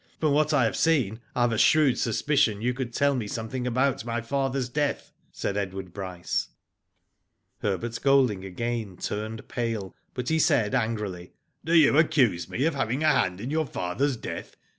From what I have seen I have a shrewd suspicion you could tell me something about my father^s death," said Edward Bryce. Herbert Golding again turned pale, but he said, angrily :*' Do you accuse me of having a hand in your father's death ?